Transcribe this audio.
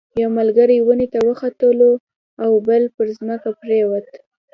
یو ملګری ونې ته وختلو او بل په ځمکه پریوت.